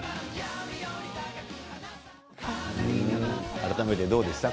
改めてどうでしたか？